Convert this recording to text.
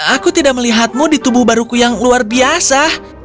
aku tidak melihatmu di tubuh baruku yang luar biasa